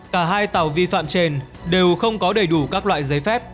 cả hai tàu vi phạm trên đều không có đầy đủ các loại giấy phép